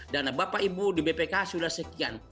dana bapak ibu di bpk sudah sekian